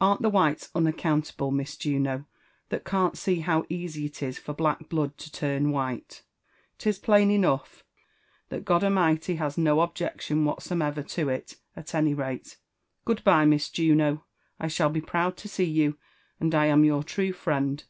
Amt the whites unaccountable, Mis Juno, that cant see how easy it is for black blood to turn white ? 'Tis plain enough, that Goda'mlghty has no objection whaftsumeyer to it, at any rate* Good by, Mis Juno, I shall be proud to see you, and 1 am your true friend